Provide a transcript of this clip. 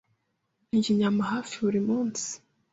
Ndya inyama hafi buri munsi.